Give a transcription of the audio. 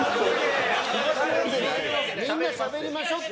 みんなしゃべりましょって。